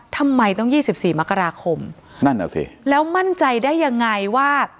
ทำไมต้องยี่สิบสี่มกราคมนั่นเหรอสิแล้วมั่นใจได้ยังไงว่า